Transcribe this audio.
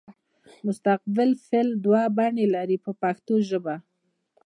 مستقبل فعل دوه بڼې لري په پښتو ژبه.